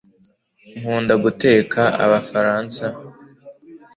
nkunda guteka abafaransa